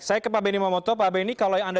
saya ke pak benny mamoto pak benny kalau yang anda